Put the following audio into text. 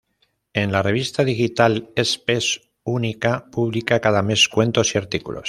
En la revista digital Spes Unica publica cada mes cuentos y artículos.